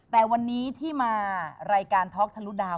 แต่วันนี้ที่มารายการท็อกทะลุดาว